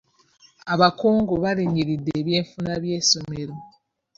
Abakungu balinyiridde eby'enfuna by'essomero.